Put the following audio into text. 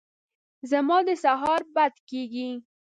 زما د سهاره بد کېږي !